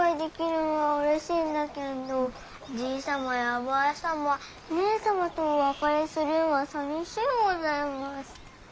けんどじいさまやばあさまねえさまとお別れするんはさみしゅうございます。